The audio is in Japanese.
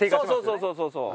そうそうそうそう。